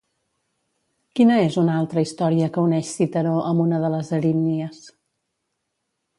Quina és una altra història que uneix Citeró amb una de les Erínnies?